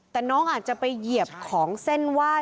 แต่น้องอาจจะไปเหยียบของเส้นไหว้